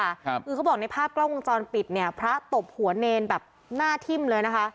คือเขาบอกในภาพกล้องวงจรปิดเนี่ยพระตบหัวเนรแบบหน้าทิ่มเลยนะคะ